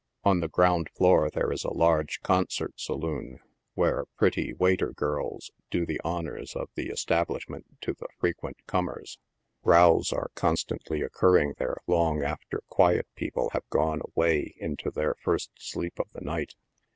On the ground floor there is a large concert saloon, where " pretty waiter girls" do the honors of the es tablishment to the frequent comers. Rows are constantly occurring there long after quiet people have gone away into their first sleep of the night.